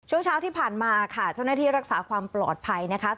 ช่วงเช้าที่ผ่านมาค่ะเจ้าหน้าที่รักษาความปลอดภัยนะคะ